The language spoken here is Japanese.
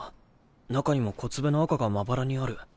中にも小粒の赤がまばらにある。